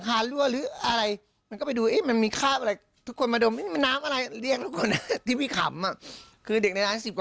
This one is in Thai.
กลายเป็นว่ามันมีเด็กเข้ามาแล้วทำแบบนี้